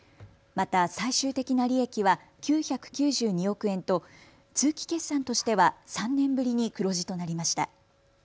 また最終的な利益は９９２億円と通期決算としては３年ぶりに黒字となりました。